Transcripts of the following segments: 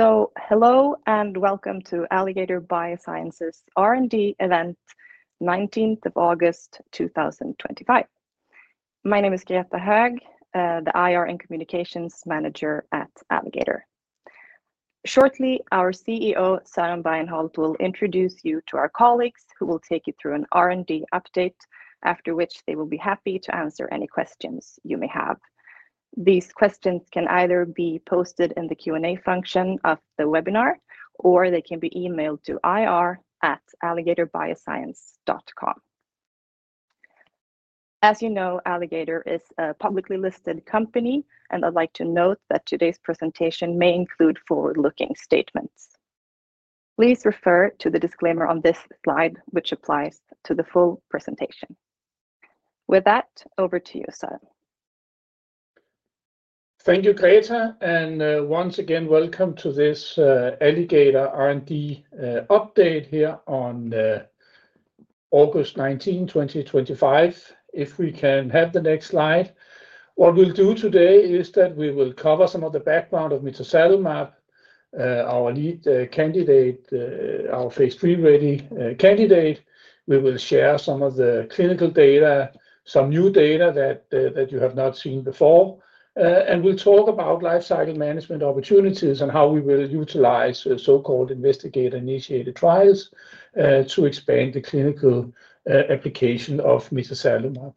Hello and welcome to Alligator Bioscience's R&D Event, 19th of August 2025. My name is Greta Höög, the IR and Communications Manager at Alligator. Shortly, our CEO, Søren Bregenholt, will introduce you to our colleagues who will take you through an R&D update, after which they will be happy to answer any questions you may have. These questions can either be posted in the Q&A function of the webinar, or they can be emailed to ir@alligatorbioscience.com. As you know, Alligator is a publicly listed company, and I'd like to note that today's presentation may include forward-looking statements. Please refer to the disclaimer on this slide, which applies to the full presentation. With that, over to you, Søren. Thank you, Greta, and once again welcome to this Alligator R&D update here on August 19, 2025. If we can have the next slide. What we'll do today is that we will cover some of the background of mitazalimab, our lead candidate, our phase III ready candidate. We will share some of the clinical data, some new data that you have not seen before, and we'll talk about lifecycle management opportunities and how we will utilize so-called investigator-initiated trials to expand the clinical application of mitazalimab.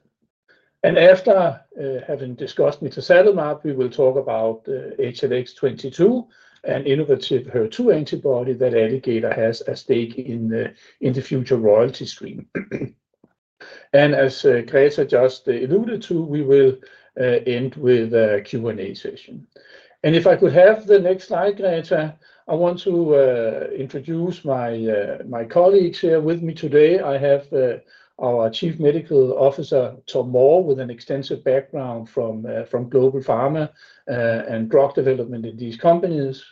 After having discussed mitazalimab, we will talk about HLX22, an innovative HER2 antibody that Alligator has a stake in the future royalty stream. As Greta just alluded to, we will end with a Q&A session. If I could have the next slide, Greta, I want to introduce my colleagues here with me today. I have our Chief Medical Officer, Tom Moore, with an extensive background from Global Pharma and drug development in these companies.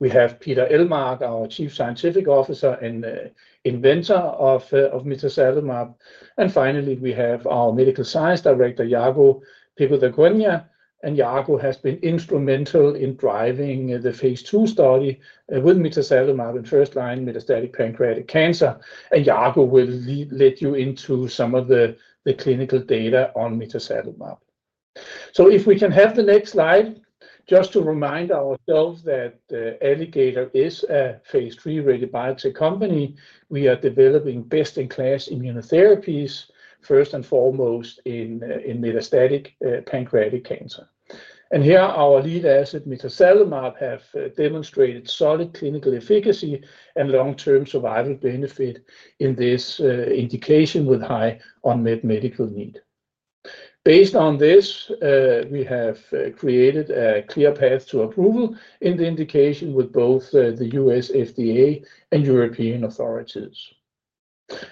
We have Peter Ellmark, our Chief Scientific Officer and inventor of mitazalimab. Finally, we have our Medical Science Director, Yago Pico de Coaña, and Yago has been instrumental in driving the phase II study with mitazalimab in first-line metastatic pancreatic cancer. Yago will lead you into some of the clinical data on mitazalimab. If we can have the next slide, just to remind ourselves that Alligator is a phase III ready biotech company. We are developing best-in-class immunotherapies, first and foremost in metastatic pancreatic cancer. Here, our lead asset, mitazalimab, has demonstrated solid clinical efficacy and long-term survival benefit in this indication with high unmet medical need. Based on this, we have created a clear path to approval in the indication with both the U.S. FDA and European authorities.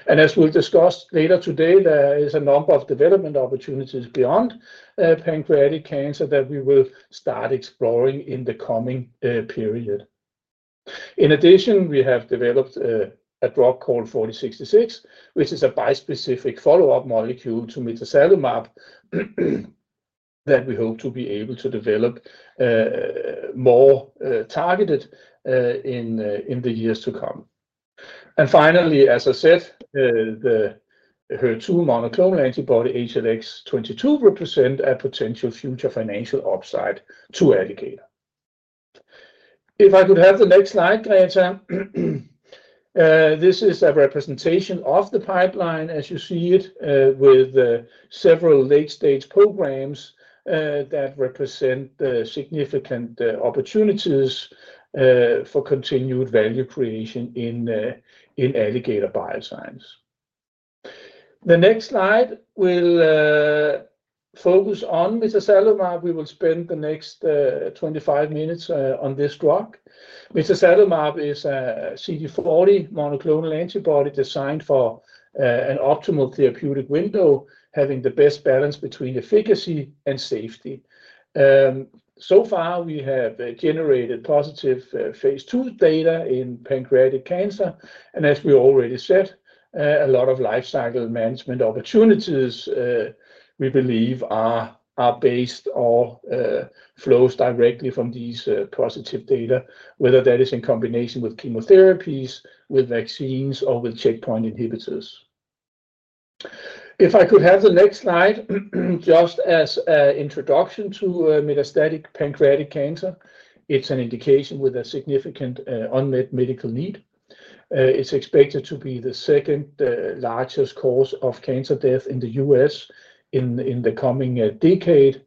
As we'll discuss later today, there is a number of development opportunities beyond pancreatic cancer that we will start exploring in the coming period. In addition, we have developed a drug called ATOR-4066, which is a bispecific follow-up molecule to mitazalimab that we hope to be able to develop more targeted in the years to come. Finally, as I said, the HER2 monoclonal antibody HLX22 represents a potential future financial upside to Alligator. If I could have the next slide, Greta, this is a representation of the pipeline, as you see it, with several late-stage programs that represent significant opportunities for continued value creation in Alligator Bioscience. The next slide will focus on mitazalimab. We will spend the next 25 minutes on this drug. mitazalimab is a CD40 monoclonal antibody designed for an optimal therapeutic window, having the best balance between efficacy and safety. So far, we have generated positive phase II data in pancreatic cancer. As we already said, a lot of lifecycle management opportunities we believe are based or flow directly from these positive data, whether that is in combination with chemotherapies, with vaccines, or with checkpoint inhibitors. If I could have the next slide, just as an introduction to metastatic pancreatic cancer, it's an indication with a significant unmet medical need. It's expected to be the second largest cause of cancer death in the U.S. in the coming decade.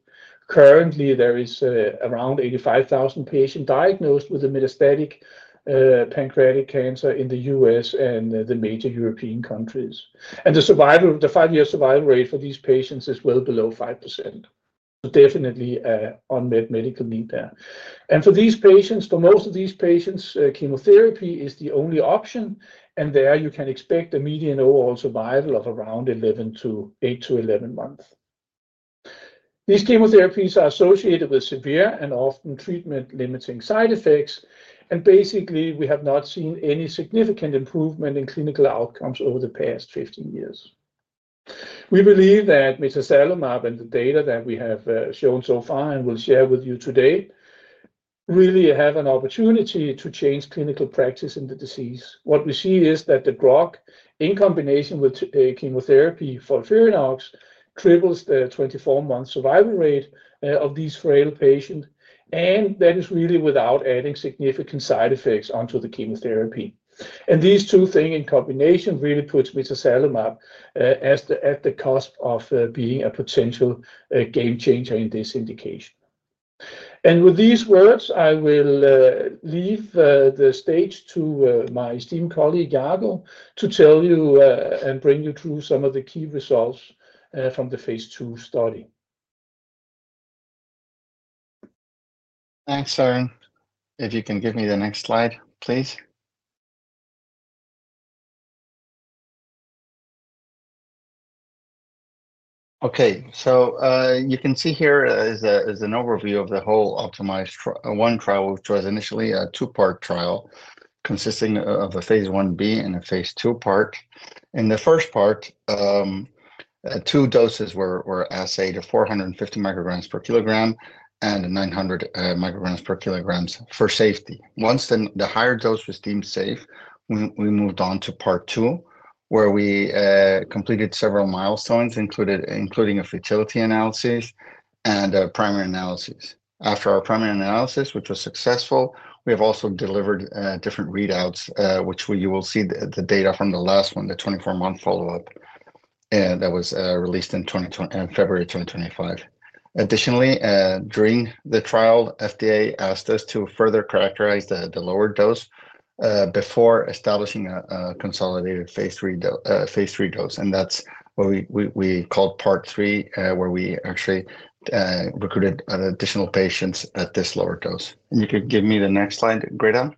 Currently, there are around 85,000 patients diagnosed with metastatic pancreatic cancer in the U.S. and the major European countries. The five-year survival rate for these patients is well below 5%. Definitely an unmet medical need there. For most of these patients, chemotherapy is the only option. You can expect a median overall survival of around 8-11 months. These chemotherapies are associated with severe and often treatment-limiting side effects. Basically, we have not seen any significant improvement in clinical outcomes over the past 15 years. We believe that mitazalimab and the data that we have shown so far and will share with you today really have an opportunity to change clinical practice in the disease. What we see is that the drug, in combination with chemotherapy FOLFIRINOX, triples the 24-month survival rate of these frail patients, and that is really without adding significant side effects onto the chemotherapy. These two things in combination really put mitazalimab at the cusp of being a potential game changer in this indication. With these words, I will leave the stage to my esteemed colleague Yago to tell you and bring you through some of the key results from the phase II study. Thanks, Søren. If you can give me the next slide, please. Okay, so you can see here is an overview of the whole OPTIMIZE-1 trial, which was initially a two-part trial consisting of a phase I-b and a phase II part. In the first part, two doses were assayed at 450 μg/kg and 900 μg/kg for safety. Once the higher dose was deemed safe, we moved on to part two, where we completed several milestones, including a fertility analysis and a primary analysis. After our primary analysis, which was successful, we have also delivered different readouts, which you will see the data from the last one, the 24-month follow-up that was released in February 2025. Additionally, during the trial, FDA asked us to further characterize the lower dose before establishing a consolidated phase III dose. That's what we called part three, where we actually recruited additional patients at this lower dose. You could give me the next slide, Greta.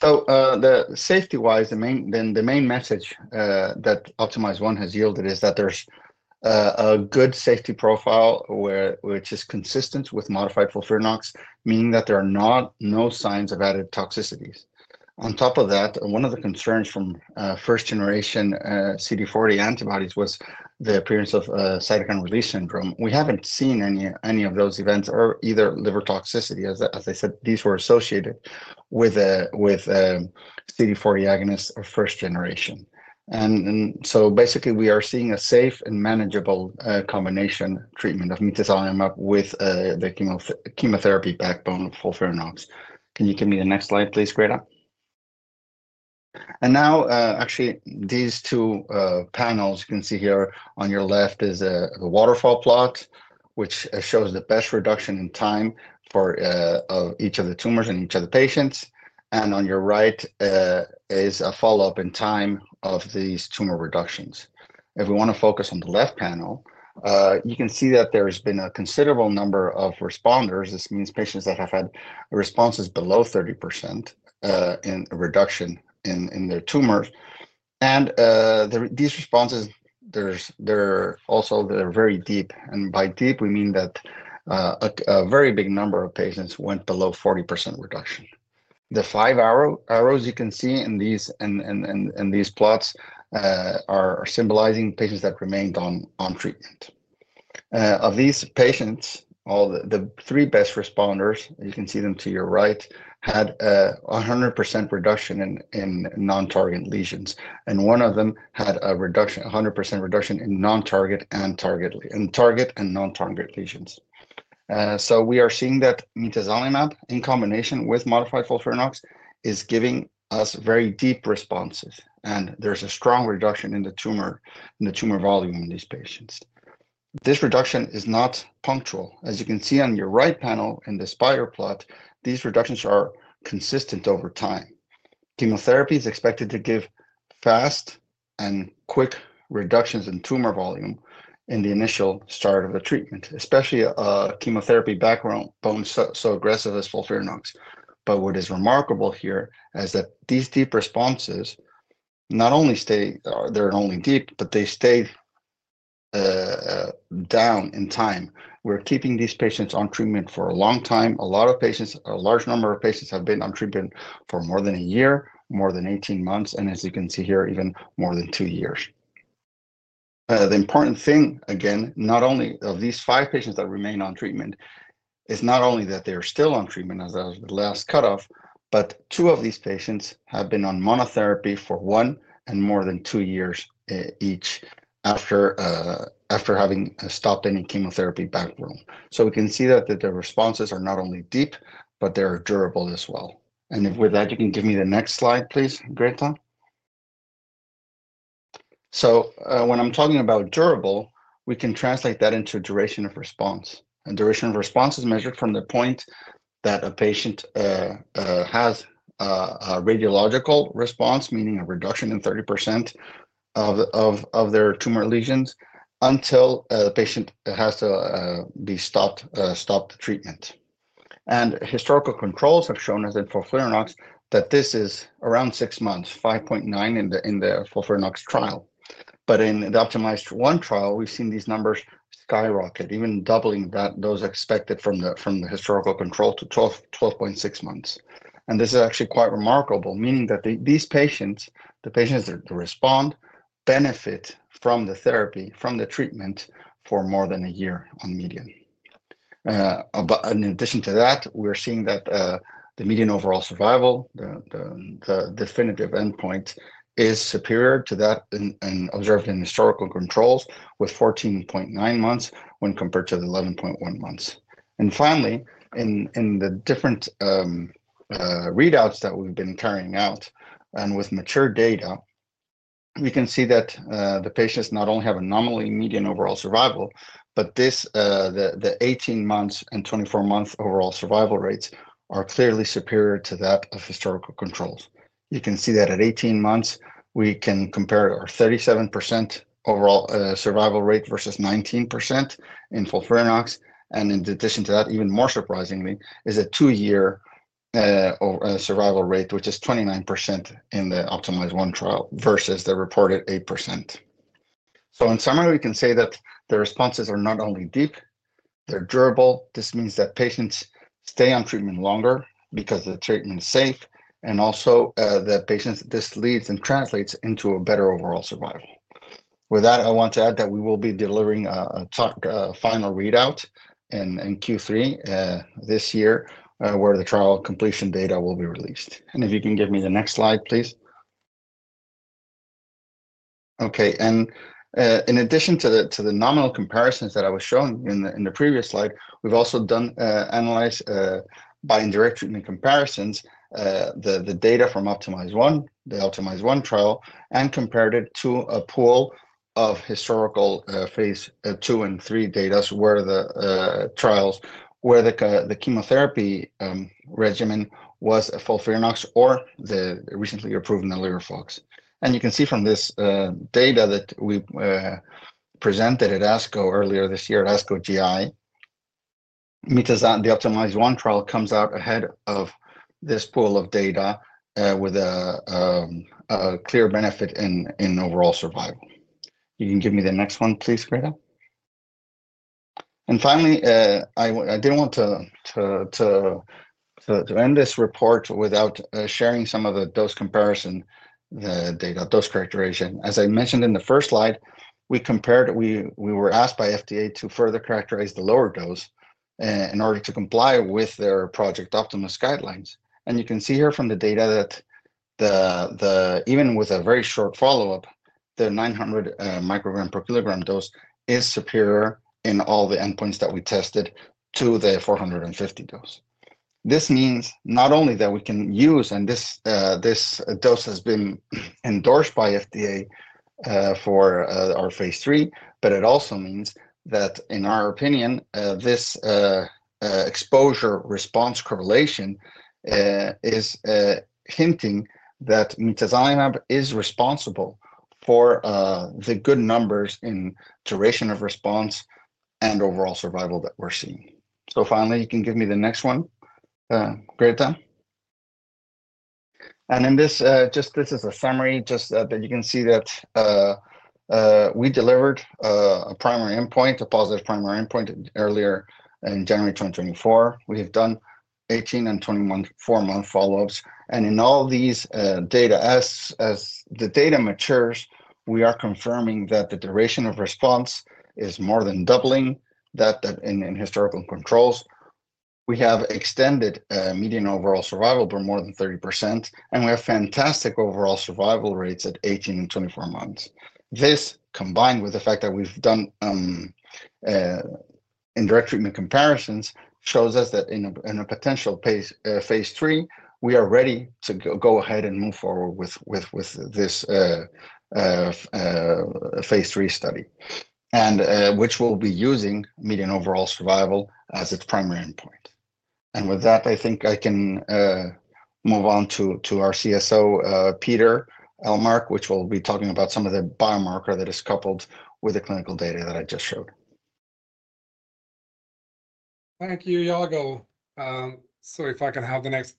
The safety-wise, the main message that OPTIMIZE-1 has yielded is that there's a good safety profile, which is consistent with modified FOLFIRINOX, meaning that there are no signs of added toxicities. On top of that, one of the concerns from first-generation CD40 antibodies was the appearance of cytokine release syndrome. We haven't seen any of those events or either liver toxicity. As I said, these were associated with CD40 agonists or first generation. Basically, we are seeing a safe and manageable combination treatment of mitazalimab with the chemotherapy backbone FOLFIRINOX. Can you give me the next slide, please, Greta? Now, actually, these two panels, you can see here on your left, is the waterfall plot, which shows the best reduction in time for each of the tumors and each of the patients. On your right is a follow-up in time of these tumor reductions. If we want to focus on the left panel, you can see that there's been a considerable number of responders. This means patients that have had responses below 30% in reduction in their tumors. These responses, they're also very deep. By deep, we mean that a very big number of patients went below 40% reduction. The five arrows you can see in these plots are symbolizing patients that remained on treatment. Of these patients, all the three best responders, you can see them to your right, had a 100% reduction in non-target lesions. One of them had a 100% reduction in non-target and target and non-target lesions. We are seeing that mitazalimab, in combination with modified FOLFIRINOX, is giving us very deep responses. There's a strong reduction in the tumor volume in these patients. This reduction is not punctual. As you can see on your right panel in the spire plot, these reductions are consistent over time. Chemotherapy is expected to give fast and quick reductions in tumor volume in the initial start of the treatment, especially a chemotherapy backbone as aggressive as FOLFIRINOX. What is remarkable here is that these deep responses not only stay, they're only deep, but they stay down in time. We're keeping these patients on treatment for a long time. A lot of patients, a large number of patients have been on treatment for more than a year, more than 18 months, and as you can see here, even more than two years. The important thing, again, not only of these five patients that remain on treatment, it's not only that they're still on treatment, as I was last cut off, but two of these patients have been on monotherapy for one and more than two years each after having stopped any chemotherapy backbone. We can see that the responses are not only deep, but they're durable as well. With that, you can give me the next slide, please, Greta. When I'm talking about durable, we can translate that into duration of response. Duration of response is measured from the point that a patient has a radiological response, meaning a reduction in 30% of their tumor lesions, until the patient has to be stopped treatment. Historical controls have shown that for FOLFIRINOX, this is around six months, 5.9 in the FOLFIRINOX trial. In the OPTIMIZE-1 trial, we've seen these numbers skyrocket, even doubling those expected from the historical control to 12.6 months. This is actually quite remarkable, meaning that these patients, the patients that respond, benefit from the therapy, from the treatment for more than a year on median. In addition to that, we're seeing that the median overall survival, the definitive endpoint, is superior to that observed in historical controls with 14.9 months when compared to the 11.1 months. Finally, in the different readouts that we've been carrying out and with mature data, we can see that the patients not only have anomaly median overall survival, but the 18-month and 24-month overall survival rates are clearly superior to that of historical controls. You can see that at 18 months, we can compare our 37% overall survival rate versus 19% in FOLFIRINOX. In addition to that, even more surprisingly, is a two-year survival rate, which is 29% in the OPTIMIZE-1 trial versus the reported 8%. In summary, we can say that the responses are not only deep, they're durable. This means that patients stay on treatment longer because the treatment is safe, and also that this leads and translates into a better overall survival. With that, I want to add that we will be delivering a final readout in Q3 this year, where the trial completion data will be released. If you can give me the next slide, please. In addition to the nominal comparisons that I was showing in the previous slide, we've also analyzed by indirect treatment comparisons the data from OPTIMIZE-1, the OPTIMIZE-1 trial, and compared it to a pool of historical phase II and III data where the trials where the chemotherapy regimen was a FOLFIRINOX or the recently approved NALIRIFOX. You can see from this data that we presented at ASCO earlier this year at ASCO GI. The OPTIMIZE-1 trial comes out ahead of this pool of data with a clear benefit in overall survival. You can give me the next one, please, Greta. Finally, I didn't want to end this report without sharing some of the dose comparison data, dose characterization. As I mentioned in the first slide, we were asked by FDA to further characterize the lower dose in order to comply with their Project Optimus guidelines. You can see here from the data that even with a very short follow-up, the 900 μg/kg dose is superior in all the endpoints that we tested to the 450 μg/kg dose. This means not only that we can use, and this dose has been endorsed by FDA for our phase III, but it also means that in our opinion, this exposure response correlation is hinting that mitazalimab is responsible for the good numbers in duration of response and overall survival that we're seeing. You can give me the next one, Greta. This is a summary just that you can see that we delivered a primary endpoint, a positive primary endpoint earlier in January 2024. We have done 18 and 24-month follow-ups. In all these data, as the data matures, we are confirming that the duration of response is more than doubling that in historical controls. We have extended median overall survival by more than 30%. We have fantastic overall survival rates at 18 and 24 months. This, combined with the fact that we've done indirect treatment comparisons, shows us that in a potential phase III, we are ready to go ahead and move forward with this phase III study, which will be using median overall survival as its primary endpoint. With that, I think I can move on to our CSO, Peter Ellmark, who will be talking about some of the biomarker analyses that are coupled with the clinical data that I just showed. Thank you, Yago.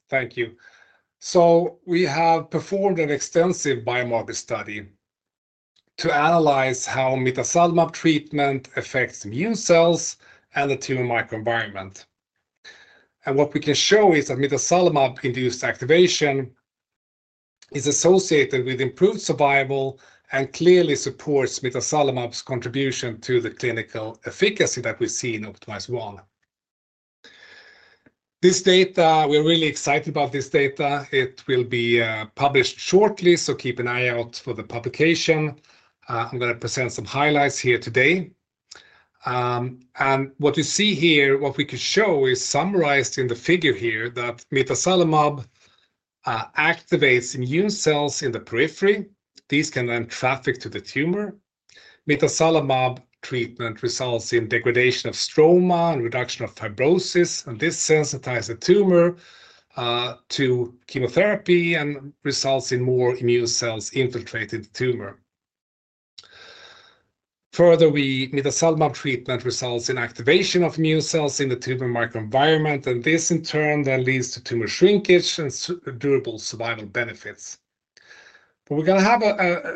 Thank you. We have performed an extensive biomarker study to analyze how mitazalimab treatment affects immune cells and the tumor microenvironment. What we can show is that mitazalimab-induced activation is associated with improved survival and clearly supports mitazalimab's contribution to the clinical efficacy that we see in OPTIMIZE-1. We are really excited about this data. It will be published shortly, so keep an eye out for the publication. I'm going to present some highlights here today. What you see here, what we can show is summarized in the figure here that mitazalimab activates immune cells in the periphery. These can then traffic to the tumor. Mitazalimab treatment results in degradation of stroma and reduction of fibrosis, and this sensitizes the tumor to chemotherapy and results in more immune cells infiltrating the tumor. Further, mitazalimab treatment results in activation of immune cells in the tumor microenvironment, and this in turn then leads to tumor shrinkage and durable survival benefits. We are going to have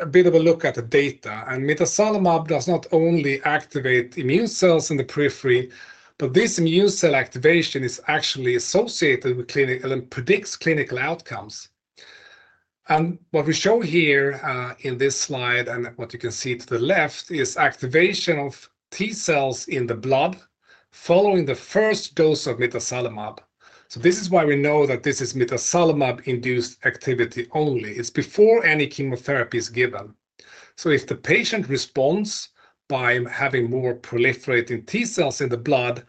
a bit of a look at the data. mitazalimab does not only activate immune cells in the periphery, but this immune cell activation is actually associated with clinical and predicts clinical outcomes. What we show here in this slide, and what you can see to the left, is activation of T cells in the blood following the first dose of mitazalimab. This is why we know that this is mitazalimab-induced activity only. It's before any chemotherapy is given. If the patient responds by having more proliferating T cells in the blood,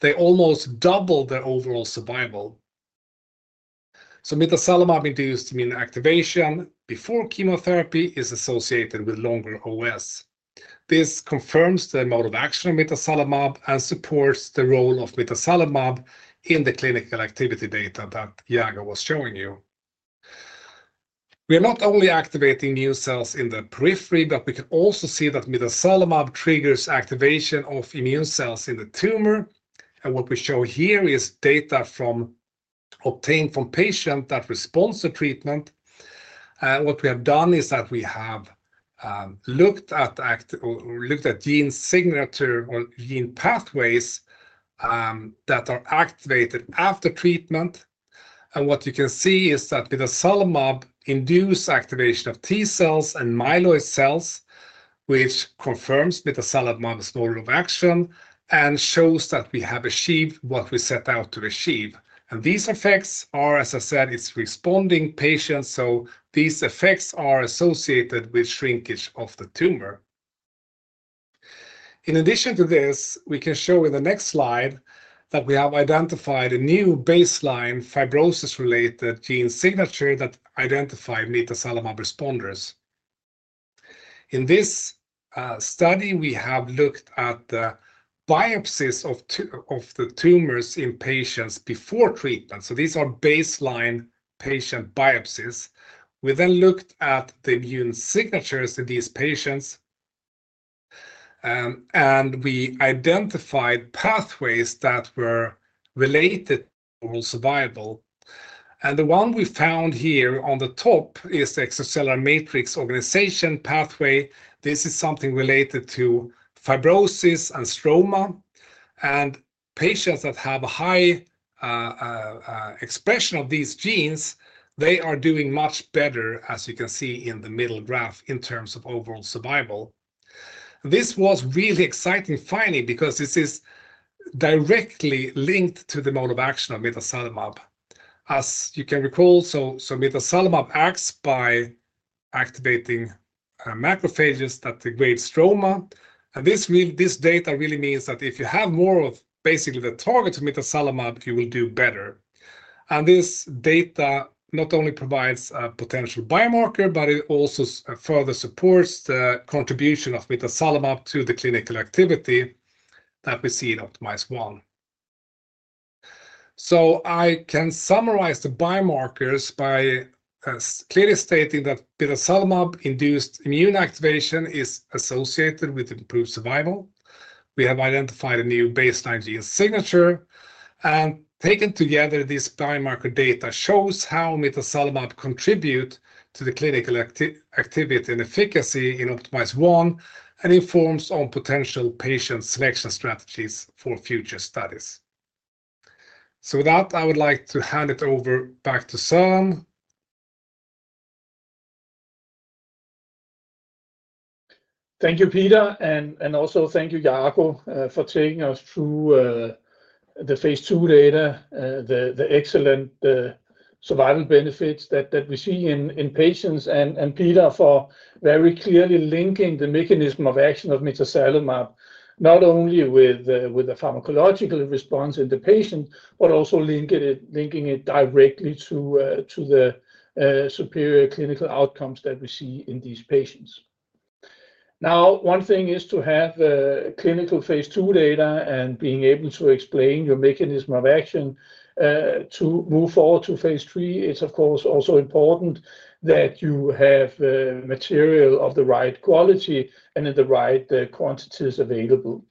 they almost double their overall survival. Mitazalimab-induced immune activation before chemotherapy is associated with longer OS. This confirms the mode of action of mitazalimab and supports the role of mitazalimab in the clinical activity data that Yago was showing you. We are not only activating immune cells in the periphery, but we can also see that mitazalimab triggers activation of immune cells in the tumor. What we show here is data obtained from patients that respond to treatment. What we have done is that we have looked at gene signature or gene pathways that are activated after treatment. What you can see is that mitazalimab induces activation of T cells and myeloid cells, which confirms mitazalimab's mode of action and shows that we have achieved what we set out to achieve. These effects are, as I said, it's responding patients, so these effects are associated with shrinkage of the tumor. In addition to this, we can show in the next slide that we have identified a new baseline fibrosis-related gene signature that identifies mitazalimab responders. In this study, we have looked at the biopsies of the tumors in patients before treatment. These are baseline patient biopsies. We then looked at the immune signatures in these patients, and we identified pathways that were related to normal survival. The one we found here on the top is the extracellular matrix organization pathway. This is something related to fibrosis and stroma. Patients that have a high expression of these genes are doing much better, as you can see in the middle graph, in terms of overall survival. This was a really exciting finding because this is directly linked to the mode of action of mitazalimab. As you can recall, mitazalimab acts by activating macrophages that degrade stroma. This data really means that if you have more of basically the target of mitazalimab, you will do better. This data not only provides a potential biomarker, but it also further supports the contribution of mitazalimab to the clinical activity that we see in OPTIMIZE-1. I can summarize the biomarkers by clearly stating that mitazalimab-induced immune activation is associated with improved survival. We have identified a new baseline gene signature. Taken together, this biomarker data shows how mitazalimab contributes to the clinical activity and efficacy in OPTIMIZE-1 and informs on potential patient selection strategies for future studies. With that, I would like to hand it over back to Søren. Thank you, Peter, and also thank you, Yago, for taking us through the phase II data, the excellent survival benefits that we see in patients, and Peter, for very clearly linking the mechanism of action of mitazalimab not only with the pharmacological response in the patient, but also linking it directly to the superior clinical outcomes that we see in these patients. One thing is to have clinical phase II data and being able to explain your mechanism of action to move forward to phase III. It's, of course, also important that you have material of the right quality and in the right quantities available.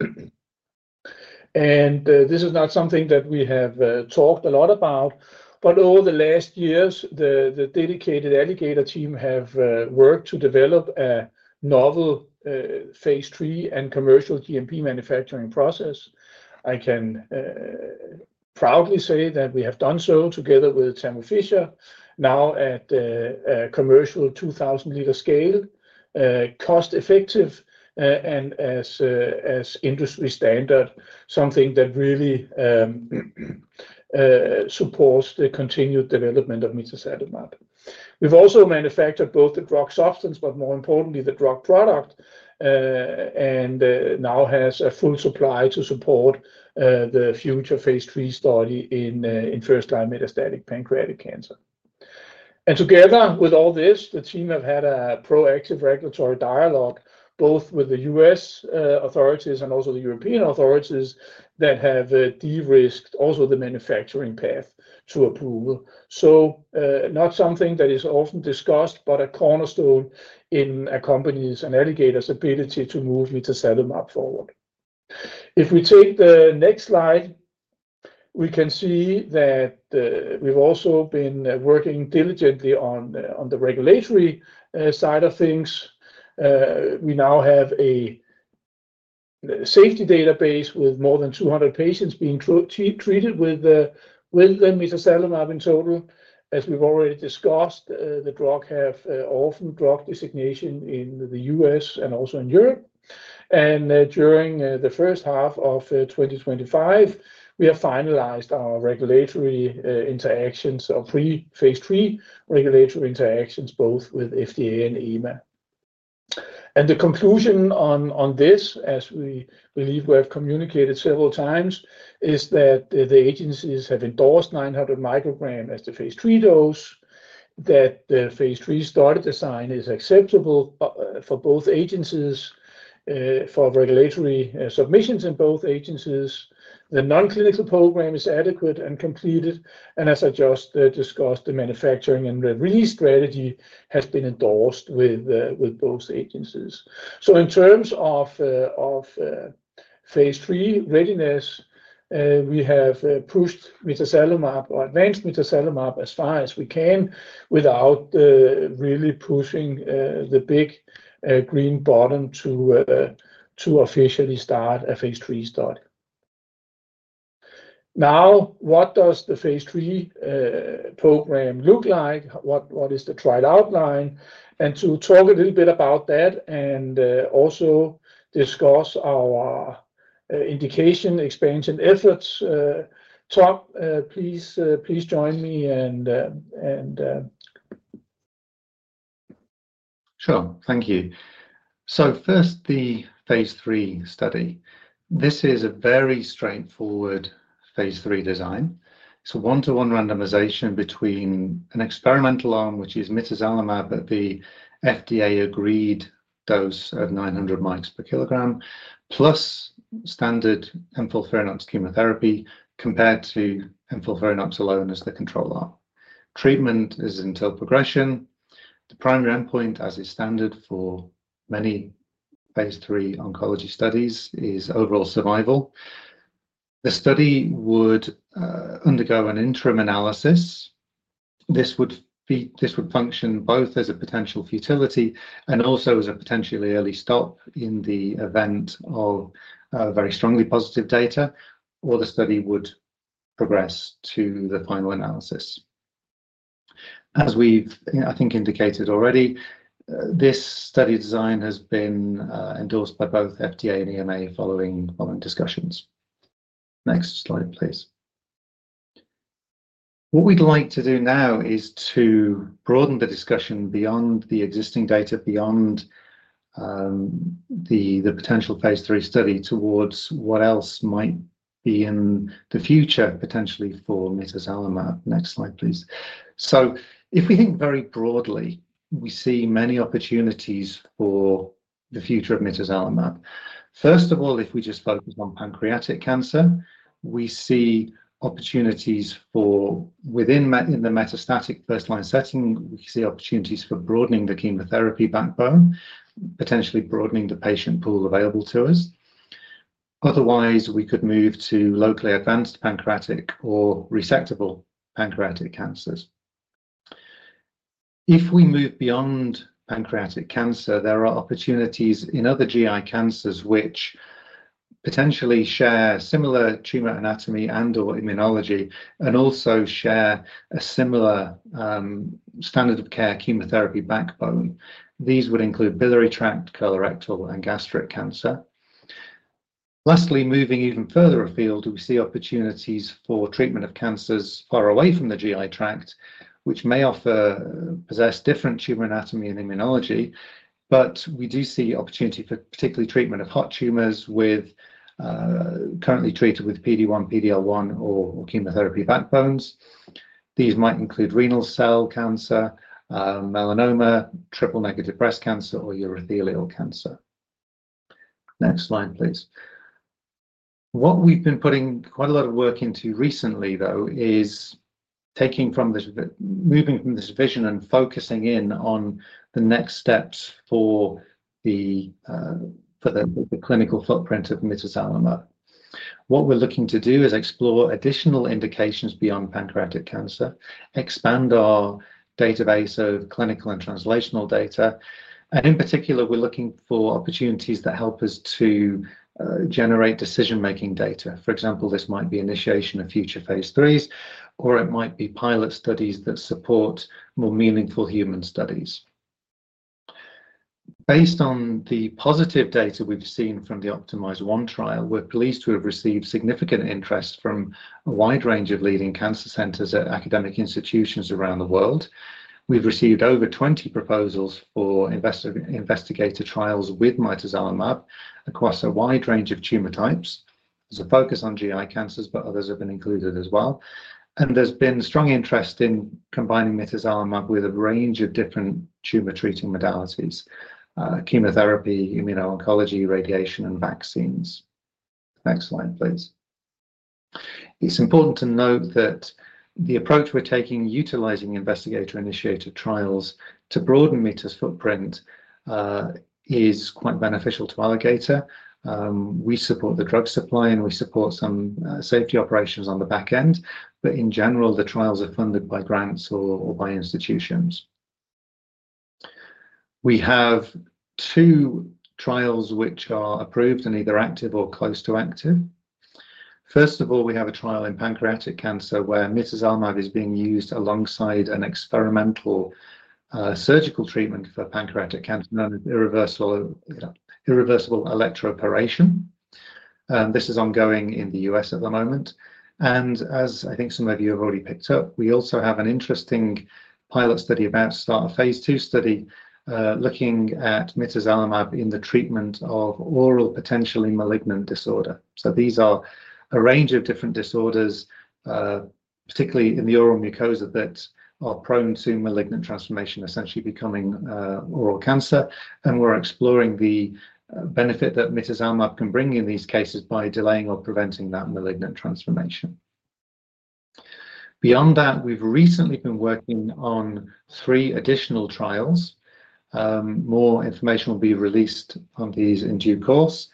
This is not something that we have talked a lot about, but over the last years, the dedicated Alligator team has worked to develop a novel phase III and commercial GMP manufacturing process. I can proudly say that we have done so together with Thermo Fisher, now at a commercial 2,000 L scale, cost-effective, and as industry standard, something that really supports the continued development of mitazalimab. we have also manufactured both the drug substance, but more importantly, the drug product, and now have a full supply to support the future phase III study in first-line metastatic pancreatic cancer. Together with all this, the team has had a proactive regulatory dialogue, both with the U.S. authorities and also the European authorities that have de-risked also the manufacturing path to approval. Not something that is often discussed, but a cornerstone in a company's and Alligator's ability to move mitazalimab forward. If we take the next slide, we can see that we have also been working diligently on the regulatory side of things. We now have a safety database with more than 200 patients being treated with mitazalimab in total. As we have already discussed, the drug has orphan drug designation in the U.S. and also in Europe. During the first half of 2025, we have finalized our regulatory interactions, our pre-phase III regulatory interactions, both with FDA and EMA. The conclusion on this, as we believe we have communicated several times, is that the agencies have endorsed 900 µg as the phase III dose, that the phase III start design is acceptable for both agencies, for regulatory submissions in both agencies, the non-clinical program is adequate and completed, and as I just discussed, the manufacturing and the release strategy has been endorsed with both agencies. In terms of phase III readiness, we have pushed mitazalimab or advanced mitazalimab as far as we can without really pushing the big green button to officially start a phase III study. What does the phase III program look like? What is the trial outline? To talk a little bit about that and also discuss our indication expansion efforts, Tom, please join me and... Sure. Thank you. First, the phase III study. This is a very straightforward phase III design. It's a one-to-one randomization between an experimental arm, which is mitazalimab at the FDA-agreed dose at 900 µg/kg, plus standard and FOLFIRINOX chemotherapy compared to FOLFIRINOX alone as the control arm. Treatment is until progression. The primary endpoint, as is standard for many phase III oncology studies, is overall survival. The study would undergo an interim analysis. This would function both as a potential futility and also as a potentially early stop in the event of very strongly positive data, or the study would progress to the final analysis. As we've indicated already, this study design has been endorsed by both FDA and EMA following discussions. Next slide, please. What we'd like to do now is to broaden the discussion beyond the existing data, beyond the potential phase III study towards what else might be in the future potentially for mitazalimab. Next slide, please. If we think very broadly, we see many opportunities for the future of mitazalimab. First of all, if we just focus on pancreatic cancer, we see opportunities for within the metastatic first-line setting, we can see opportunities for broadening the chemotherapy backbone, potentially broadening the patient pool available to us. Otherwise, we could move to locally advanced pancreatic or resectable pancreatic cancers. If we move beyond pancreatic cancer, there are opportunities in other GI cancers which potentially share similar tumor anatomy and/or immunology and also share a similar standard of care chemotherapy backbone. These would include biliary tract, colorectal, and gastric cancer. Lastly, moving even further afield, we see opportunities for treatment of cancers far away from the GI tract, which may possess different tumor anatomy and immunology, but we do see opportunity for particularly treatment of hot tumors currently treated with PD-1, PD-L1, or chemotherapy backbones. These might include renal cell cancer, melanoma, triple-negative breast cancer, or urothelial cancer. Next slide, please. What we've been putting quite a lot of work into recently is moving from this vision and focusing in on the next steps for the clinical footprint of mitazalimab. What we're looking to do is explore additional indications beyond pancreatic cancer, expand our database of clinical and translational data, and in particular, we're looking for opportunities that help us to generate decision-making data. For example, this might be initiation of phase III trials, or it might be pilot studies that support more meaningful human studies. Based on the positive data we've seen from the OPTIMIZE-1 trial, we're pleased to have received significant interest from a wide range of leading cancer centers at academic institutions around the world. We've received over 20 proposals for investigator trials with mitazalimab across a wide range of tumor types. There's a focus on GI cancers, but others have been included as well. There's been strong interest in combining mitazalimab with a range of different tumor treating modalities, chemotherapy, immuno-oncology, radiation, and vaccines. Next slide, please. It's important to note that the approach we're taking, utilizing investigator-initiated trials to broaden mitazalimab's footprint, is quite beneficial to Alligator. We support the drug supply, and we support some safety operations on the back end. In general, the trials are funded by grants or by institutions. We have two trials which are approved and either active or close to active. First of all, we have a trial in pancreatic cancer where mitazalimab is being used alongside an experimental surgical treatment for pancreatic cancer and an irreversible electro-operation. This is ongoing in the U.S. at the moment. As I think some of you have already picked up, we also have an interesting pilot study about to start a phase II study looking at mitazalimab in the treatment of oral potentially malignant disorder. These are a range of different disorders, particularly in the oral mucosa, that are prone to malignant transformation, essentially becoming oral cancer. We're exploring the benefit that mitazalimab can bring in these cases by delaying or preventing that malignant transformation. Beyond that, we've recently been working on three additional trials. More information will be released on these in due course.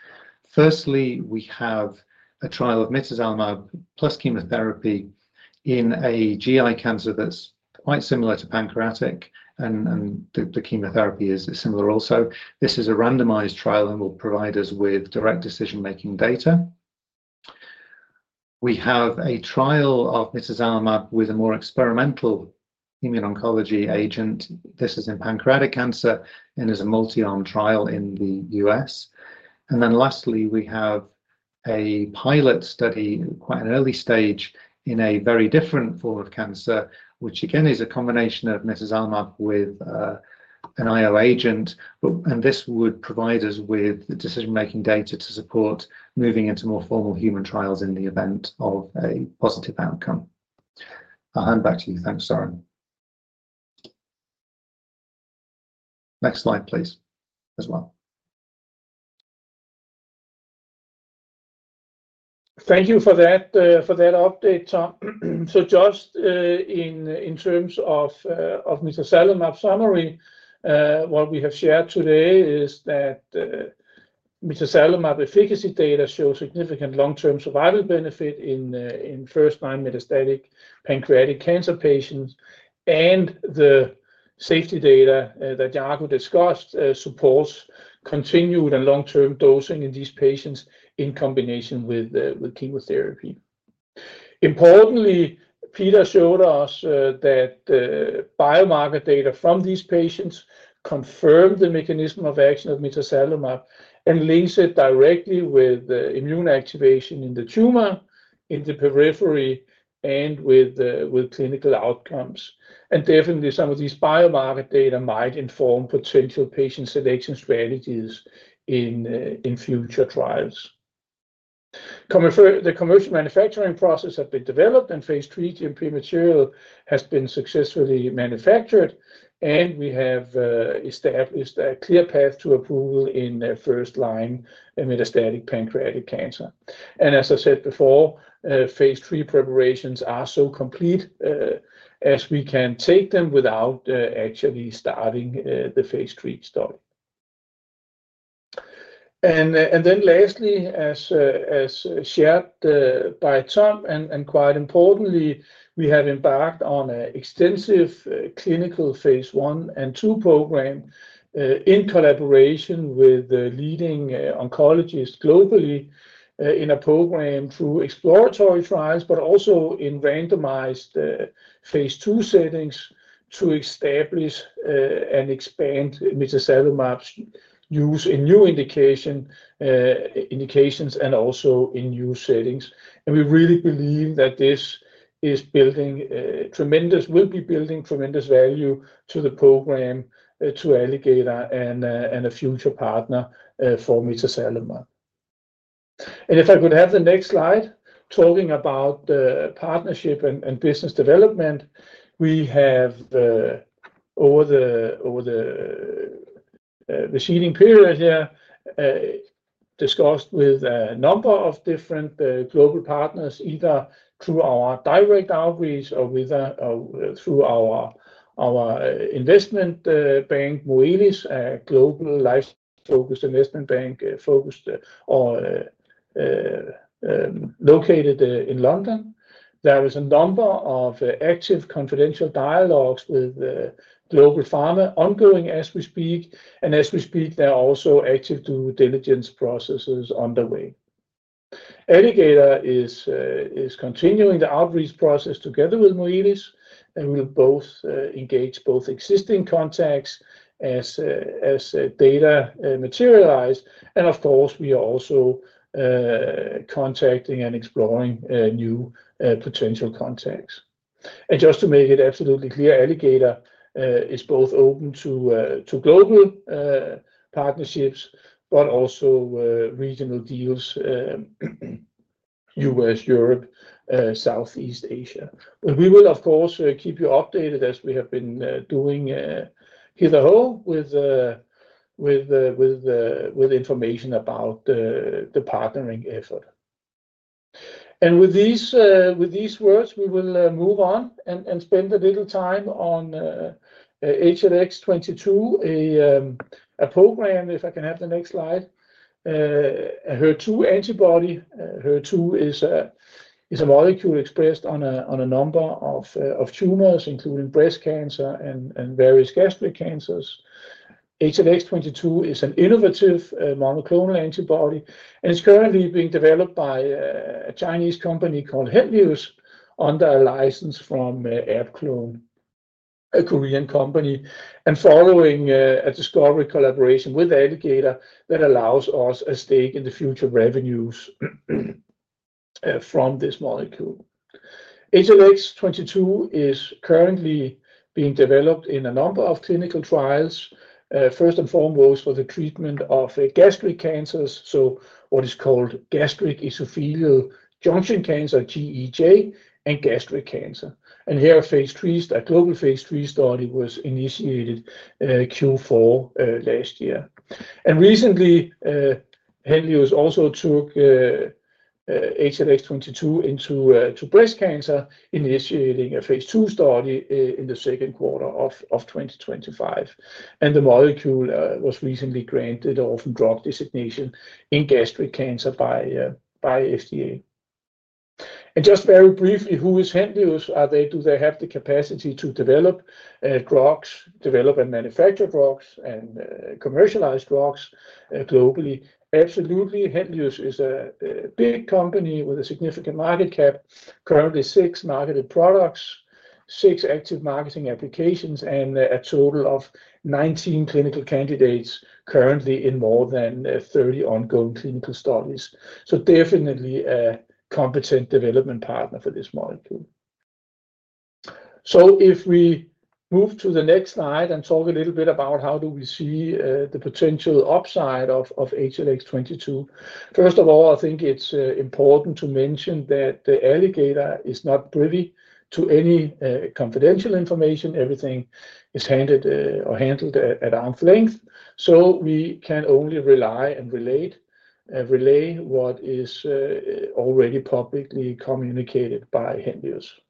Firstly, we have a trial of mitazalimab plus chemotherapy in a GI cancer that's quite similar to pancreatic, and the chemotherapy is similar also. This is a randomized trial and will provide us with direct decision-making data. We have a trial of mitazalimab with a more experimental immuno-oncology agent. This is in pancreatic cancer and is a multi-arm trial in the U.S. Lastly, we have a pilot study, quite an early stage, in a very different form of cancer, which again is a combination of mitazalimab with an IO agent. This would provide us with decision-making data to support moving into more formal human trials in the event of a positive outcome. I'll hand back to you. Thanks, Søren. Next slide, please, as well. Thank you for that update, Tom. In terms of mitazalimab summary, what we have shared today is that mitazalimab efficacy data shows significant long-term survival benefit in first-line metastatic pancreatic cancer patients. The safety data that Yago discussed supports continued and long-term dosing in these patients in combination with chemotherapy. Importantly, Peter showed us that biomarker data from these patients confirm the mechanism of action of mitazalimab and links it directly with immune activation in the tumor, in the periphery, and with clinical outcomes. Some of these biomarker data might inform potential patient selection strategies in future trials. The commercial manufacturing process has been developed, and phase III GMP material has been successfully manufactured. We have established a clear path to approval in first-line metastatic pancreatic cancer. As I said before, phase III preparations are so complete as we can take them without actually starting the phase III study. Lastly, as shared by Tom, and quite importantly, we have embarked on an extensive clinical phase I and II program in collaboration with leading oncologists globally in a program through exploratory trials, but also in randomized phase II settings to establish and expand mitazalimab's use in new indications and also in new settings. We really believe that this is building tremendous, will be building tremendous value to the program, to Alligator, and a future partner for mitazalimab. If I could have the next slide, talking about the partnership and business development, we have over the seeding period here discussed with a number of different global partners, either through our direct outreach or through our investment bank, Moelis, a global life-focused investment bank located in London. There is a number of active confidential dialogues with Global Pharma ongoing as we speak. As we speak, there are also active due diligence processes underway. Alligator is continuing the outreach process together with Moelis. We will both engage both existing contacts as data materialize. Of course, we are also contacting and exploring new potential contacts. Just to make it absolutely clear, Alligator is both open to global partnerships, but also regional deals, U.S., Europe, Southeast Asia. We will, of course, keep you updated as we have been doing here at home with information about the partnering effort. With these words, we will move on and spend a little time on HLX22, a program, if I can have the next slide. HER2 antibody, HER2 is a molecule expressed on a number of tumors, including breast cancer and various gastric cancers. HLX22 is an innovative monoclonal antibody, and it's currently being developed by a Chinese company called Henlius under a license from AbClon, a Korean company, and following a discovery collaboration with Alligator that allows us a stake in the future revenues from this molecule. HLX22 is currently being developed in a number of clinical trials, first and foremost for the treatment of gastric cancers, what is called gastric esophageal junction cancer, GEJ, and gastric cancer. Here, a global phase III study was initiated Q4 last year. Recently, Henlius also took HLX22 into breast cancer, initiating a phase II study in the second quarter of 2025. The molecule was recently granted orphan drug designation in gastric cancer by FDA. Very briefly, who is Henlius? Do they have the capacity to develop drugs, develop and manufacture drugs, and commercialize drugs globally? Absolutely. Henlius is a big company with a significant market cap, currently six marketed products, six active marketing applications, and a total of 19 clinical candidates currently in more than 30 ongoing clinical studies. Definitely a competent development partner for this molecule. If we move to the next slide and talk a little bit about how we see the potential upside of HLX22. First of all, I think it's important to mention that Alligator is not privy to any confidential information. Everything is handled at arm's length. We can only rely and relay what is already publicly communicated by Henlius.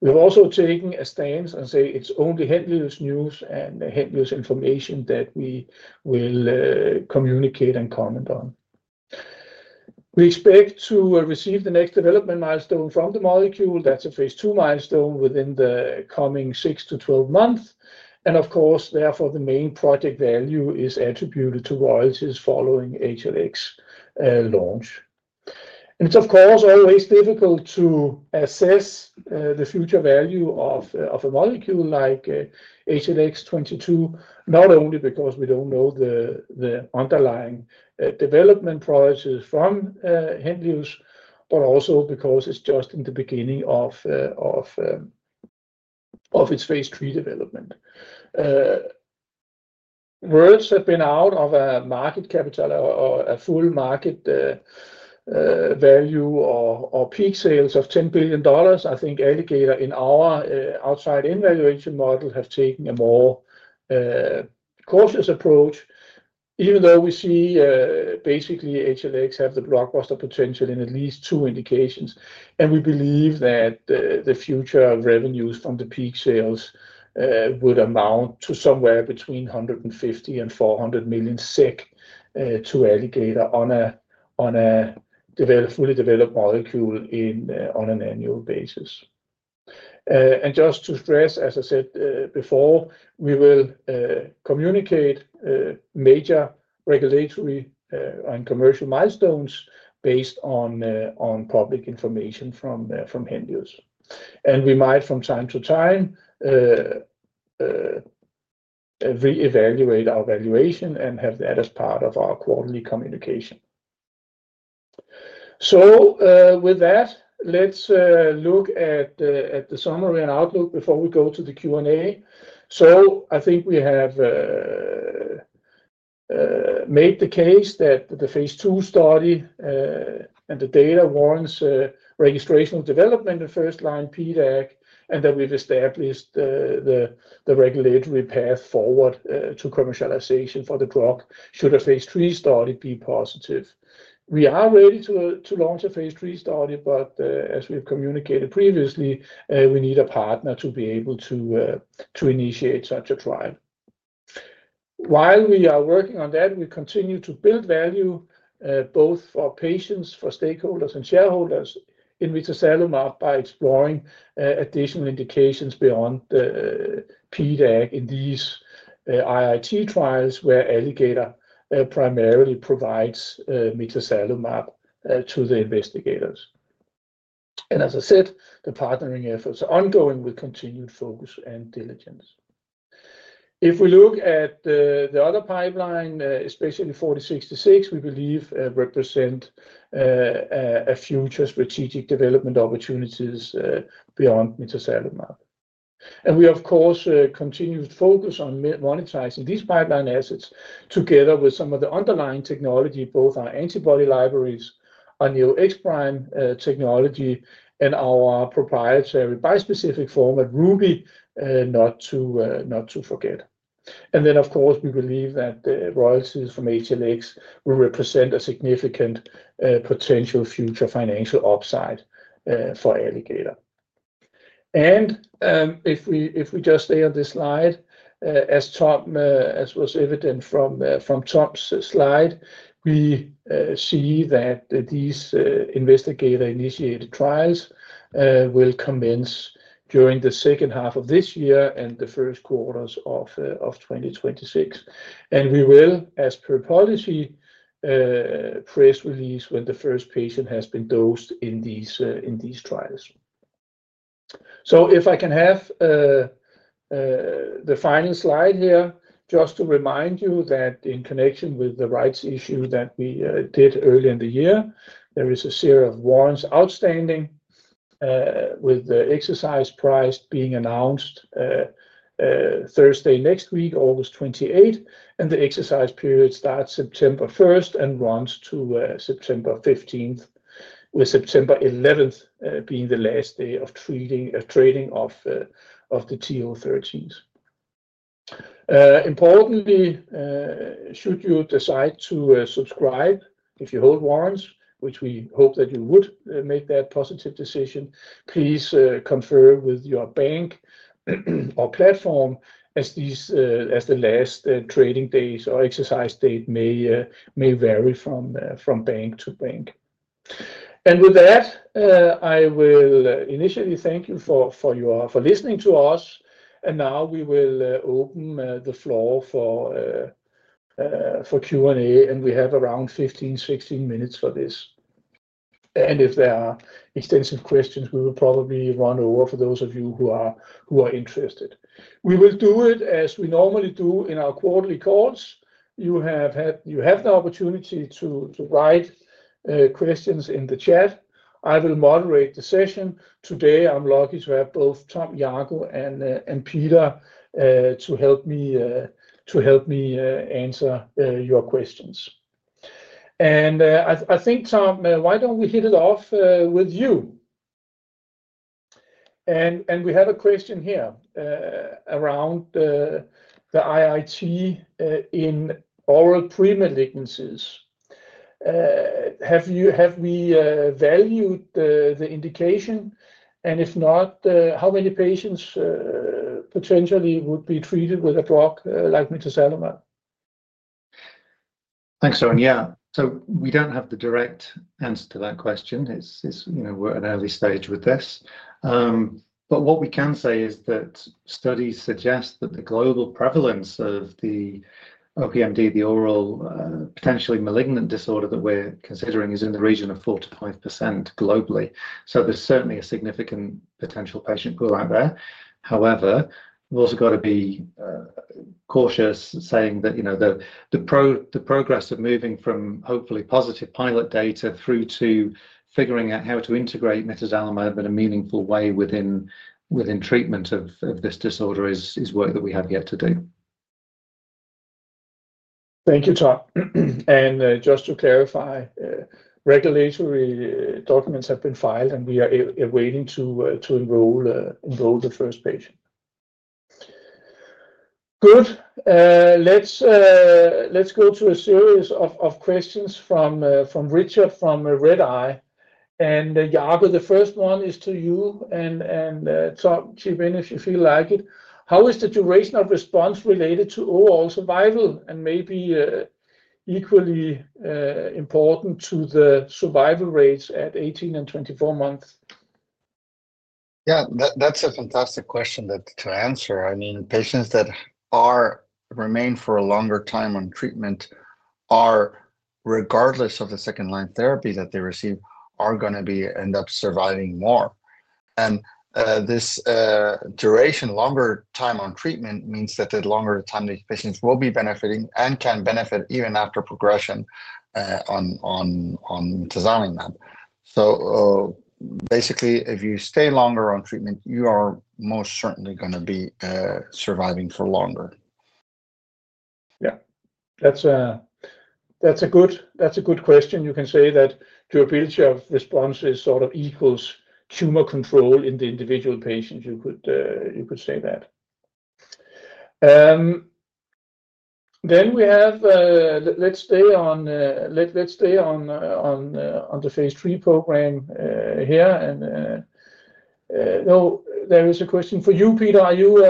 We've also taken a stance and say it's only Henlius news and Henlius information that we will communicate and comment on. We expect to receive the next development milestone from the molecule. That's a phase II milestone within the coming 6-12 months. Therefore, the main project value is attributed to royalties following HLX launch. It's always difficult to assess the future value of a molecule like HLX22, not only because we don't know the underlying development priorities from Henlius, but also because it's just in the beginning of its phase III development. Words have been out of a market capital or a full market value or peak sales of $10 billion. I think Alligator in our outside invaluation model has taken a more cautious approach, even though we see basically HLX has the blockbuster potential in at least two indications. We believe that the future revenues from the peak sales would amount to somewhere between 150 million and 400 million SEK to Alligator on a fully developed molecule on an annual basis. Just to stress, as I said before, we will communicate major regulatory and commercial milestones based on public information from Henlius. We might, from time to time, reevaluate our valuation and have that as part of our quarterly communication. Let's look at the summary and outlook before we go to the Q&A. I think we have made the case that the phase II study and the data warrants registration and development in first-line PDAC, and that we've established the regulatory path forward to commercialization for the drug should a phase III study be positive. We are ready to launch a phase III study, but as we've communicated previously, we need a partner to be able to initiate such a trial. While we are working on that, we continue to build value both for patients, for stakeholders, and shareholders in mitazalimab by exploring additional indications beyond the PDAC in these IIT trials where Alligator primarily provides mitazalimab to the investigators. As I said, the partnering efforts are ongoing with continued focus and diligence. If we look at the other pipeline, especially in ATOR-4066, we believe it represents a future strategic development opportunity beyond mitazalimab. We, of course, continue to focus on monetizing these pipeline assets together with some of the underlying technology, both our antibody libraries, our Neo-X-Prime technology, and our proprietary bispecific format, RUBY, not to forget. We believe that the royalties from HLX will represent a significant potential future financial upside for Alligator. If we just stay on this slide, as was evident from Tom's slide, we see that these investigator-initiated trials will commence during the second half of this year and the first quarters of 2026. We will, as per policy, press release when the first patient has been dosed in these trials. If I can have the final slide here, just to remind you that in connection with the rights issue that we did earlier in the year, there is a series of warrants outstanding with the exercise price being announced Thursday next week, August 28th. The exercise period starts September 1st and runs to September 15th, with September 11th being the last day of trading of the TO 13s. Importantly, should you decide to subscribe, if you hold warrants, which we hope that you would make that positive decision, please confer with your bank or platform as the last trading days or exercise date may vary from bank to bank. With that, I will initially thank you for listening to us. Now we will open the floor for Q&A. We have around 15, 16 minutes for this. If there are extensive questions, we will probably run over for those of you who are interested. We will do it as we normally do in our quarterly calls. You have the opportunity to write questions in the chat. I will moderate the session. Today, I'm lucky to have both Tom, Yago, and Peter to help me answer your questions. I think, Tom, why don't we hit it off with you? We have a question here around the IIT in oral premalignancies. Have we valued the indication? If not, how many patients potentially would be treated with a drug like mitazalimab? Thanks, Søren. We don't have the direct answer to that question. We're at an early stage with this. What we can say is that studies suggest the global prevalence of the OPMD, the oral potentially malignant disorder that we're considering, is in the region of 4%-5% globally. There's certainly a significant potential patient pool out there. However, we've also got to be cautious saying that the progress of moving from hopefully positive pilot data through to figuring out how to integrate mitazalimab in a meaningful way within treatment of this disorder is work that we have yet to do. Thank you, Tom. Just to clarify, regulatory documents have been filed, and we are awaiting to enroll the first patient. Good. Let's go to a series of questions from Richard from Redeye. Yago, the first one is to you and Tom, keep in if you feel like it. How is the duration of response related to overall survival and maybe equally important to the survival rates at 18 and 24 months? Yeah, that's a fantastic question to answer. I mean, patients that remain for a longer time on treatment, regardless of the second-line therapy that they receive, are going to end up surviving more. This duration, longer time on treatment, means that the longer time these patients will be benefiting and can benefit even after progression on mitazalimab. Basically, if you stay longer on treatment, you are most certainly going to be surviving for longer. Yeah. That's a good question. You can say that durability of response sort of equals tumor control in the individual patient. You could say that. Let's stay on the phase III program here. There is a question for you, Peter. Are you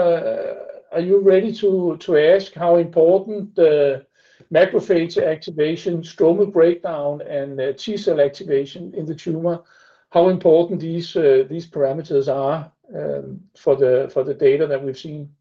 ready to ask how important the macrophage activation, stromal breakdown, and T cell activation in the tumor, how important these parameters are for the data that we've seen?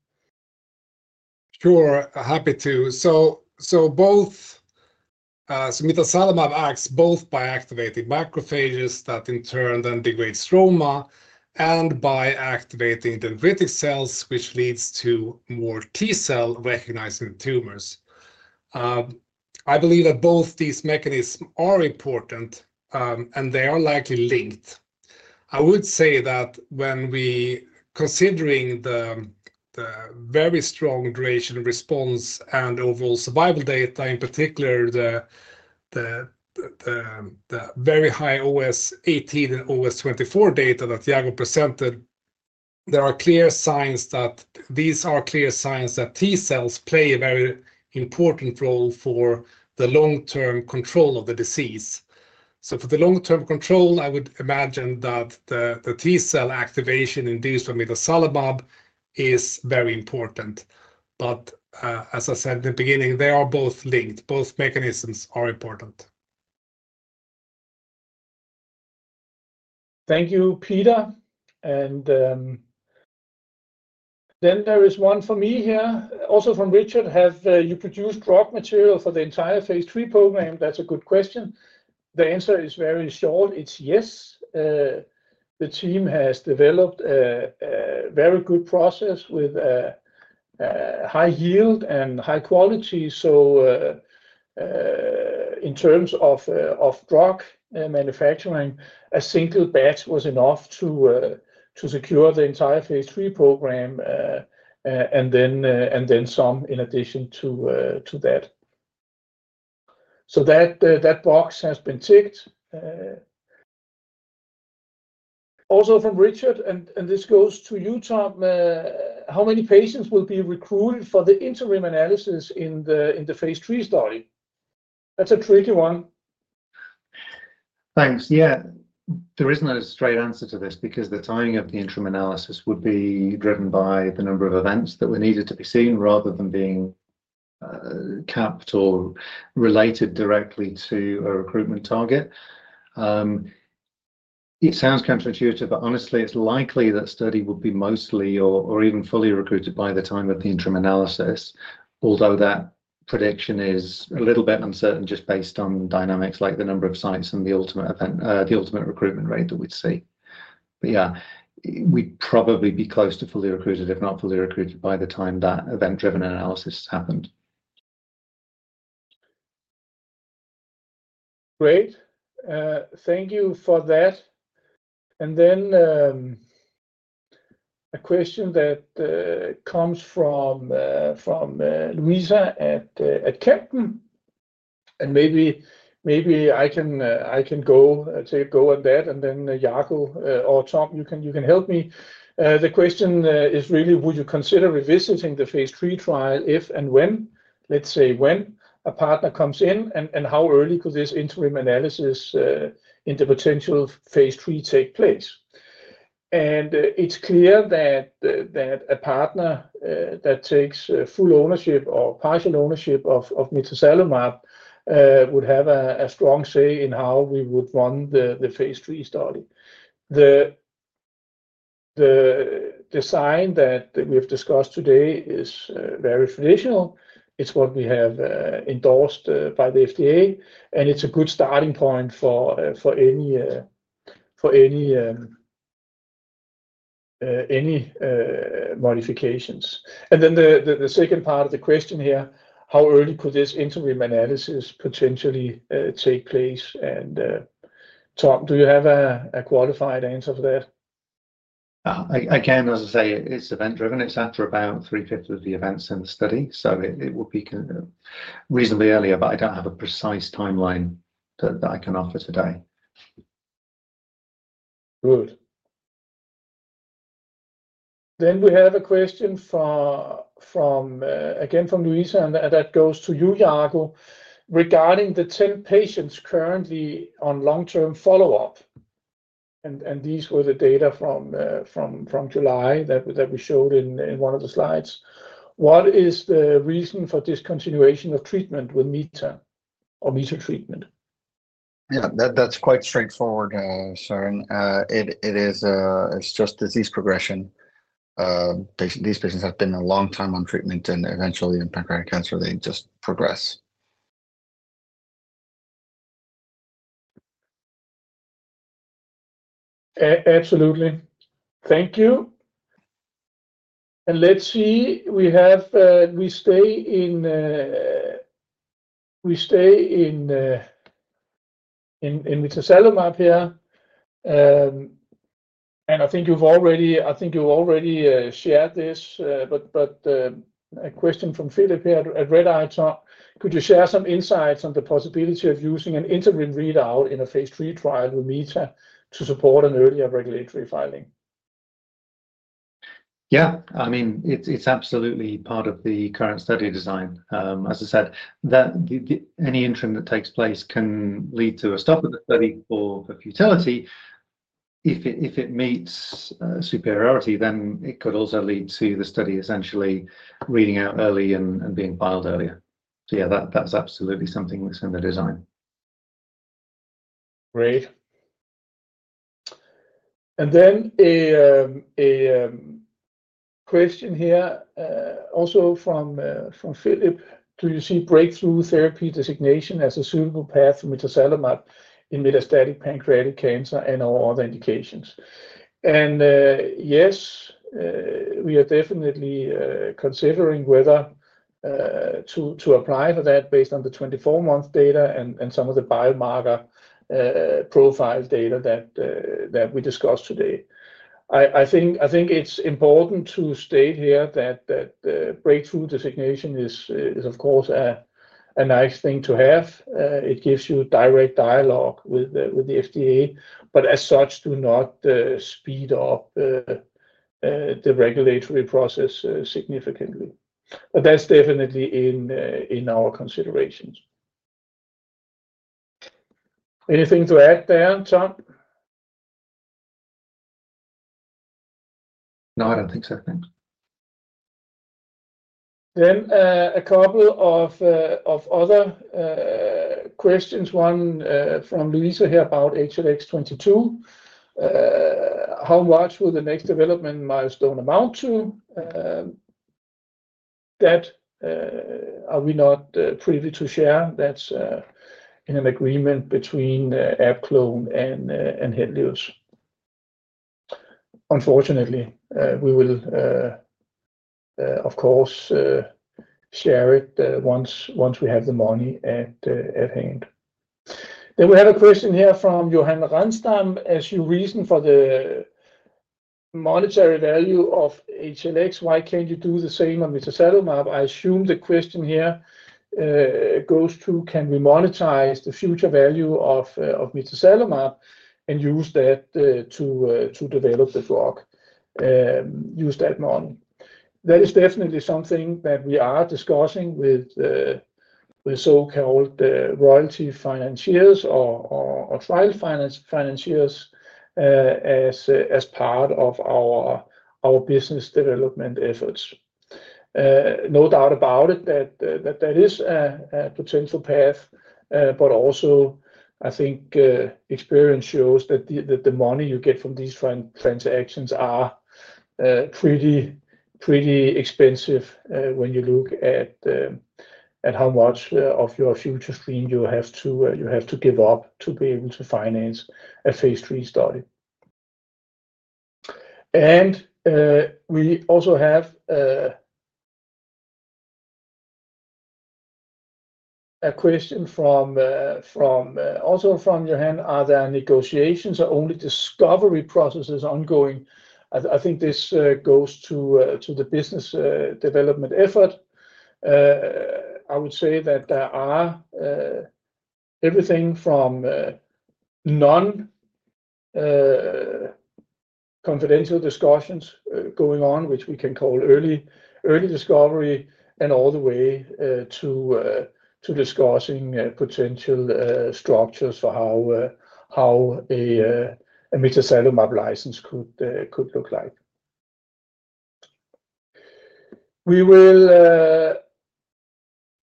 Sure. Happy to. mitazalimab acts both by activating macrophages that in turn then degrade stroma, and by activating dendritic cells, which leads to more T cell recognizing tumors. I believe that both these mechanisms are important, and they are likely linked. When we are considering the very strong duration of response and overall survival data, in particular the very high OS 18 and OS 24 data that Yago presented, there are clear signs that T cells play a very important role for the long-term control of the disease. For the long-term control, I would imagine that the T cell activation induced by mitazalimab is very important. As I said in the beginning, they are both linked. Both mechanisms are important. Thank you, Peter. There is one for me here, also from Richard: have you produced drug materials for the entire phase III program? That's a good question. The answer is very short. It's yes. The team has developed a very good process with high yield and high quality. In terms of drug manufacturing, a single batch was enough to secure the entire phase III program, and then some in addition to that. That box has been ticked. Also from Richard, and this goes to you, Tom, how many patients will be recruited for the interim analysis in the phase III study? That's a tricky one. Thanks. There is no straight answer to this because the timing of the interim analysis would be driven by the number of events that were needed to be seen rather than being capped or related directly to a recruitment target. It sounds counterintuitive, but honestly, it's likely that the study would be mostly or even fully recruited by the time of the interim analysis, although that prediction is a little bit uncertain just based on dynamics like the number of sites and the ultimate recruitment rate that we'd see. We'd probably be close to fully recruited, if not fully recruited, by the time that event-driven analysis happened. Great. Thank you for that. A question comes from Luisa at Kempen. Maybe I can go on that, and then Yago or Tom, you can help me. The question is really, would you consider revisiting the phase III trial if and when, let's say when, a partner comes in, and how early could this interim analysis in the potential phase III take place? It's clear that a partner that takes full ownership or partial ownership of mitazalimab would have a strong say in how we would run the phase III study. The design that we have discussed today is very traditional. It's what we have endorsed by the FDA. It's a good starting point for any modifications. The second part of the question here, how early could this interim analysis potentially take place? Tom, do you have a qualified answer for that? I can. As I say, it's event-driven. It's after about 60% of the events in the study. It would be reasonably earlier, but I don't have a precise timeline that I can offer today. Good. We have a question from Luisa, and that goes to you, Yago, regarding the 10 patients currently on long-term follow-up. These were the data from July that we showed in one of the slides. What is the reason for discontinuation of treatment with mita or mita treatment? Yeah, that's quite straightforward, Søren. It's just disease progression. These patients have been a long time on treatment, and eventually, in pancreatic cancer, they just progress. Absolutely. Thank you. We stay in mitazalimab here. I think you've already shared this, but a question from Philip here at Red Eye, Tom. Could you share some insights on the possibility of using an interim readout in a phase III trial with mitazalimab to support an earlier regulatory filing? Yeah. I mean, it's absolutely part of the current study design. As I said, any interim that takes place can lead to a stop of the study for futility. If it meets superiority, it could also lead to the study essentially reading out early and being filed earlier. Yeah, that's absolutely something that's in the design. Great. A question here, also from Philip. Do you see breakthrough therapy designation as a suitable path for mitazalimab in metastatic pancreatic cancer and/or other indications? Yes, we are definitely considering whether to apply for that based on the 24-month data and some of the biomarker profile data that we discussed today. I think it's important to state here that breakthrough designation is, of course, a nice thing to have. It gives you direct dialogue with the FDA, but as such, does not speed up the regulatory process significantly. That's definitely in our considerations. Anything to add there, Tom? No, I don't think so. Thanks. A couple of other questions. One from Luisa here about HLX22. How much will the next development milestone amount to? That we are not privy to share. That's in an agreement between AbClon and Henlius. Unfortunately, we will, of course, share it once we have the money at hand. We have a question here from Johan Ransdam. As you reason for the monetary value of HLX, why can't you do the same on mitazalimab? I assume the question here goes to, can we monetize the future value of mitazalimab and use that to develop the drug, use that model? That is definitely something that we are discussing with so-called royalty financiers or trial financiers as part of our business development efforts. No doubt about it. That is a potential path. I think experience shows that the money you get from these transactions is pretty expensive when you look at how much of your future stream you have to give up to be able to finance a phase III study. We also have a question from Johan. Are there negotiations or only discovery processes ongoing? I think this goes to the business development effort. I would say that there are everything from non-confidential discussions going on, which we can call early discovery, and all the way to discussing potential structures for how a mitazalimab license could look like.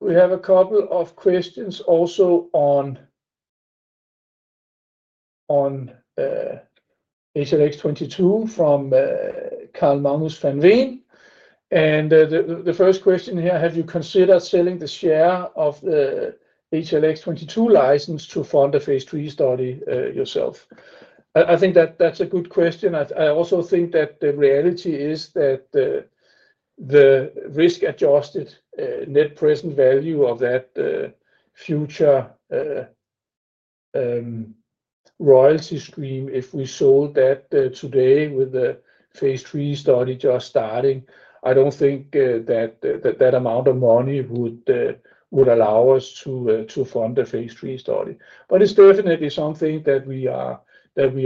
We have a couple of questions also on HLX22 from Carl Magnus Van Veen. The first question here, have you considered selling the share of the HLX22 license to fund a phase III study yourself? I think that's a good question. I also think that the reality is that the risk-adjusted net present value of that future royalty stream, if we sold that today with the phase III study just starting, I don't think that that amount of money would allow us to fund the phase III study. It's definitely something that we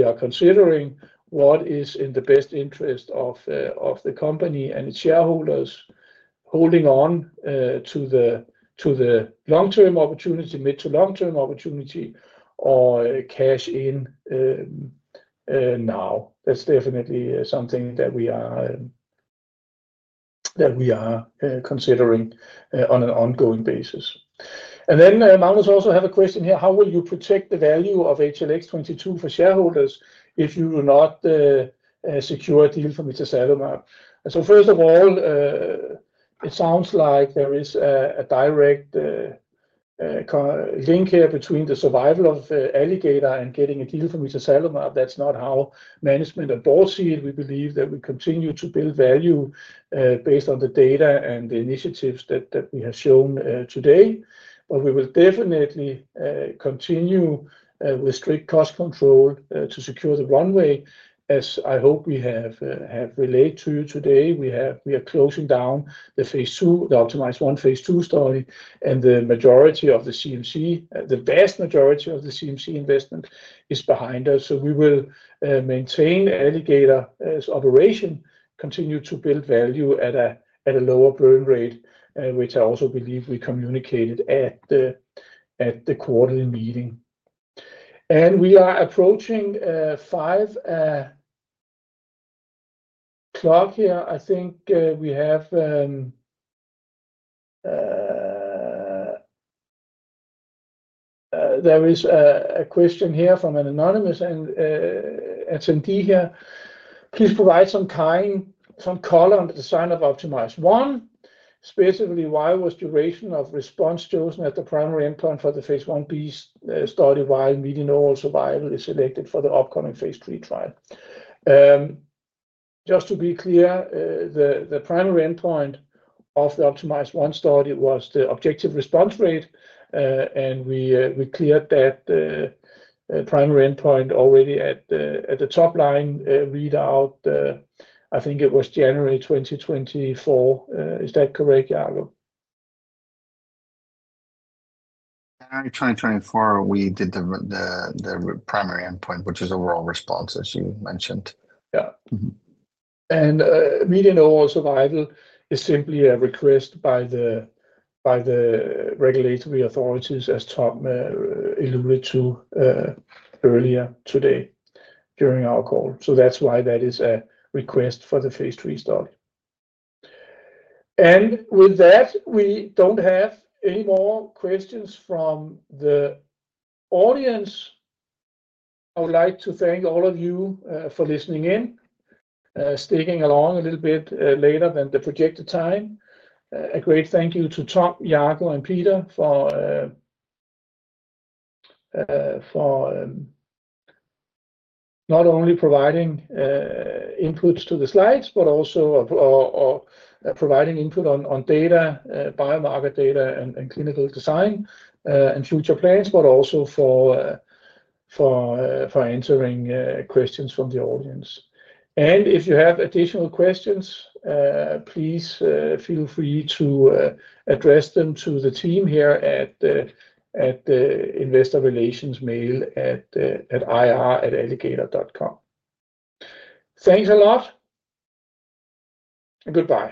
are considering. What is in the best interest of the company and its shareholders holding on to the long-term opportunity, mid to long-term opportunity, or cash in now? That's definitely something that we are considering on an ongoing basis. Magnus also had a question here. How will you protect the value of HLX22 for shareholders if you do not secure a deal for mitazalimab? First of all, it sounds like there is a direct link here between the survival of Alligator and getting a deal for mitazalimab. That's not how management and board see it. We believe that we continue to build value based on the data and the initiatives that we have shown today. We will definitely continue with strict cost control to secure the runway, as I hope we have relayed to you today. We are closing down the phase II, the OPTIMIZE-1 phase II study, and the majority of the CMC, the vast majority of the CMC investment is behind us. We will maintain Alligator's operation, continue to build value at a lower burn rate, which I also believe we communicated at the quarterly meeting. We are approaching 5:00 P.M. I think there is a question here from an anonymous attendee. Please provide some column design of OPTIMIZE-1. Specifically, why was the duration of response chosen as the primary endpoint for the phase I-b study while meeting overall survival is selected for the upcoming phase III trial? Just to be clear, the primary endpoint of the OPTIMIZE-1 study was the objective response rate. We cleared that primary endpoint already at the top line readout. I think it was January 2024. Is that correct, Yago? January 2024, we did the primary endpoint, which is overall response, as you mentioned. Meeting overall survival is simply a request by the regulatory authorities, as Tom alluded to earlier today during our call. That is why that is a request for the phase III study. We don't have any more questions from the audience. I would like to thank all of you for listening in, sticking along a little bit later than the projected time. A great thank you to Tom, Yago, and Peter for not only providing input to the slides, but also for providing input on data, biomarker data, and clinical design and future plans, and for answering questions from the audience. If you have additional questions, please feel free to address them to the team here at the investor relations mail at ir@alligatorbioscience.com. Thanks a lot. Goodbye.